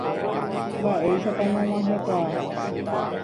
Mba'éichapa ñag̃uahẽkuaa.